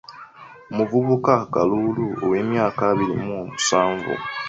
Omuvubuka Kalulu ow’emyaka abiri mu musanvu